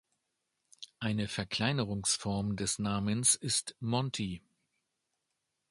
Eine Verkleinerungsform des Namens ist Monty.